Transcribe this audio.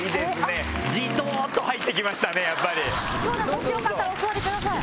もしよかったらお座りください。